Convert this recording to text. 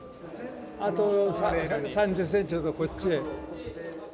あと３０センチほどこっちへ。